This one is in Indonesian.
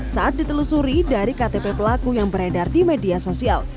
saat ditelusuri dari ktp pelaku yang beredar di media sosial